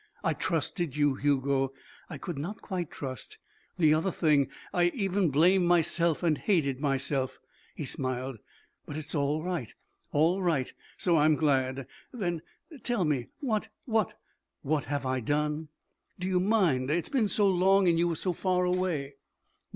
I trusted you, Hugo. I could not quite trust the other thing. I've even blamed myself and hated myself." He smiled. "But it's all right all right. So I am glad. Then, tell me what what " "What have I done?" "Do you mind? It's been so long and you were so far away."